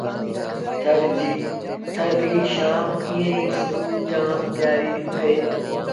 ٿر ريٚ شآم ائيٚݩ سُڀو جآم پيٚآريٚ اهي۔